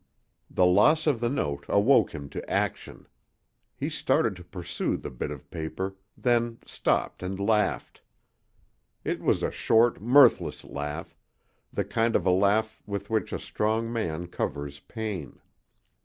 The loss of the note awoke him to action. He started to pursue the bit of paper, then stopped and laughed. It was a short, mirthless laugh, the kind of a laugh with which a strong man covers pain.